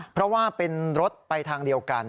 เพราะว่าเป็นรถไปทางเดียวกัน